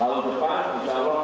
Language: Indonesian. kalau depan bisa lho